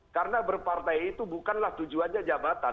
karena berpartai itu bukanlah tujuannya jabatan